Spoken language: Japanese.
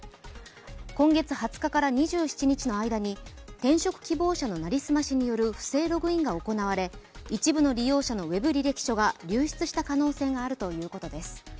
今月２０日から２７日の間に転職希望者の成り済ましによる不正ログインが行われ、一部の利用者のウェブ履歴書が流出した可能性があるということです。